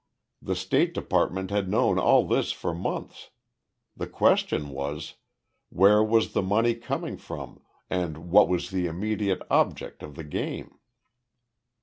The State Department had known all this for months. The question was: Where was the money coming from and what was the immediate object of the game?